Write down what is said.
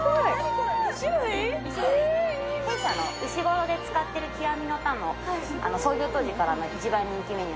うしごろで使っている極みのタンの創業当時からの一番人気メニュー。